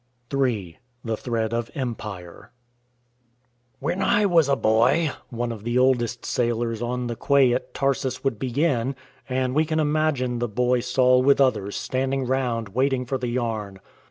40 IN TRAINING III. THE THREAD OF EMPIRE When I was a boy," one of the oldest sailors on the quay at Tarsus would begin — and we can imagine the boy Saul with others standing round waiting for the yarn.